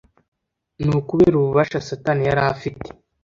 Ni ukubera ububasha Satani yari afite